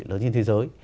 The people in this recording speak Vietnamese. lớn trên thế giới